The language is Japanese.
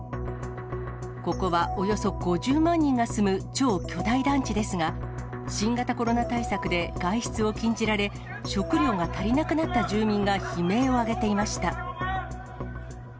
ここはおよそ５０万人が住む超巨大団地ですが、新型コロナ対策で外出を禁じられ、食料が足りなくなった住民が悲鳴を上げていました。